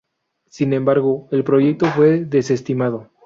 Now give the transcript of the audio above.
Sin embargo, el proyecto fue desestimado.